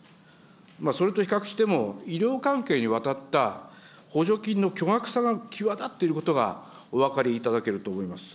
それと比較しても、医療関係に渡った補助金の巨額さが際立っていることがお分かりいただけると思います。